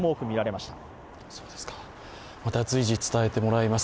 また随時伝えてもらいます。